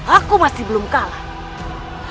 aku masih belum kalah